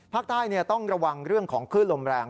ภาคใต้ต้องระวังเรื่องของคลื่นลมแรง